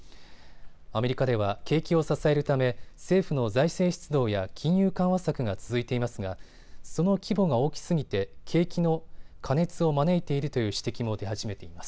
アメリカでは景気を支えるため政府の財政出動や金融緩和策が続いていますがその規模が大きすぎて景気の過熱を招いているという指摘も出始めています。